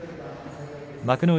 幕内